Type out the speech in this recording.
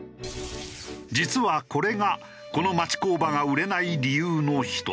実はこれがこの町工場が売れない理由の１つ。